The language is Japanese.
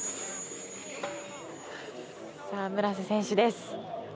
さあ、村瀬選手です。